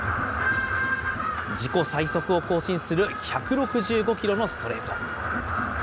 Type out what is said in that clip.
自己最速を更新する１６５キロのストレート。